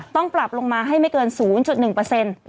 ต้องปรับลงมาให้ไม่เกิน๐๑